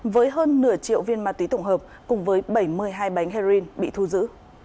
với hơn nửa triệu viên ma túy tổng hợp cùng với bảy mươi hai bánh heroin bị thu giữ